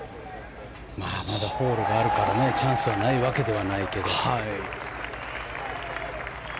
まだホールがあるからチャンスはないわけではないけど。